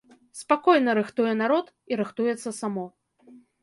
Спакойна рыхтуе народ і рыхтуецца само.